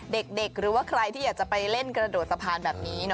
เด็กหรือว่าใครที่อยากจะไปเล่นกระโดดสะพานแบบนี้